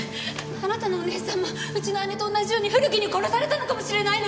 あなたのお姉さんもうちの姉と同じように古木に殺されたのかもしれないのよ？